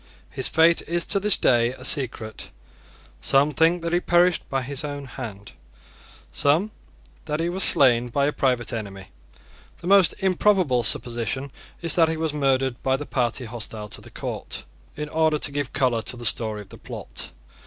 His fate is to this day a secret. Some think that he perished by his own hand; some, that he was slain by a private enemy. The most improbable supposition is that he was murdered by the party hostile to the court, in order to give colour to the story of the plot.